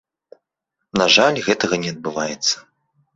На жаль, гэтага не адбываецца.